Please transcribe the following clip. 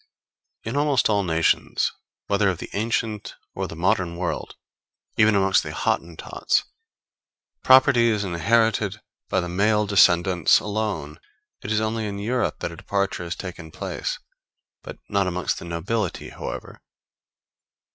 In almost all nations, whether of the ancient or the modern world, even amongst the Hottentots, property is inherited by the male descendants alone; it is only in Europe that a departure has taken place; but not amongst the nobility, however.